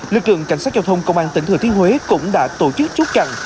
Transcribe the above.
lực lượng cảnh sát giao thông công an tỉnh thừa thiên huế cũng đã tổ chức chốt chặn